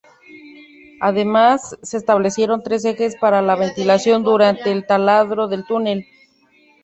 Además, se establecieron tres ejes para la ventilación durante el taladrado del túnel.